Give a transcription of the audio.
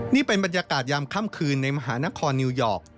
นี่เป็นบรรยากาศยามค่ำคืนในมหานครนิวยอร์ก